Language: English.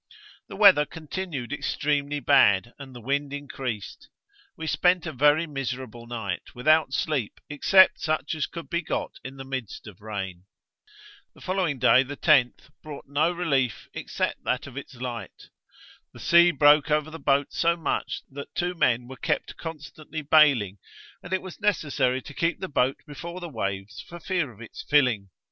The weather continued extremely bad, and the wind increased; we spent a very miserable night, without sleep, except such as could be got in the midst of rain.' The following day, the 10th, brought no relief, except that of its light. The sea broke over the boat so much, that two men were kept constantly baling; and it was necessary to keep the boat before the waves for fear of its filling.